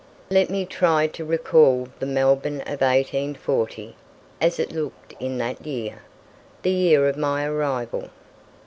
Let me try to recall the Melbourne of 1840, as it looked in that year, the year of my arrival.